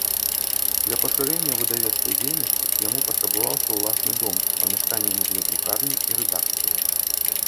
Для пашырэння выдавецкай дзейнасці яму патрабавалася ўласны дом з памяшканнямі для друкарні і рэдакцыі.